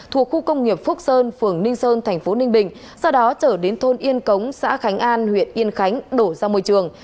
thuộc khu công nghiệp phúc sơn phường ninh sơn tp ninh bình sau đó trở đến thôn yên cống xã khánh an huyện yên khánh đổ ra môi trường